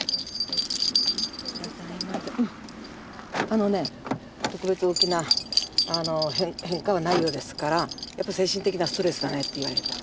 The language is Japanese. あのね特別大きな変化はないようですからやっぱ精神的なストレスだねって言われた。